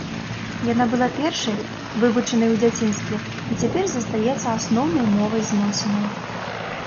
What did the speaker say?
Яна была першай, вывучанай у дзяцінстве, і цяпер застаецца асноўнай мовай зносінаў.